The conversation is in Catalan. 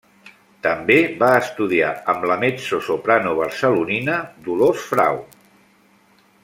També va estudiar amb la mezzosoprano barcelonina Dolors Frau.